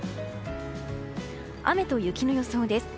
雨と雪の予想です。